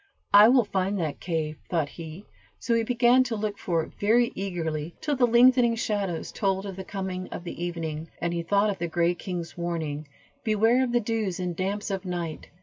"I will find that cave," thought he; so he began to look for it very eagerly, till the lengthening shadows told of the coming of evening, and he thought of the gray king's warning, "Beware of the dews and damps of night."